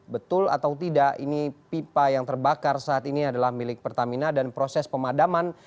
betul atau tidak ini pipa yang terbakar saat ini adalah milik pertamina dan proses pemadaman